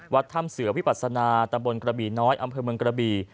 วัดถ้ำเสือวิปัสนาตำบลกระบี่น้อยอำเภอเมืองกระบี่